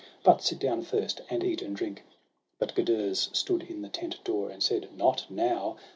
but sit down first, and eat and drink.' But Gudurz stood in the tent door, and said: —' Not now